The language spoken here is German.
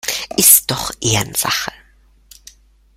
Ist doch Ehrensache!